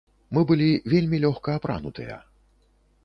Мы былі вельмі лёгка апранутыя.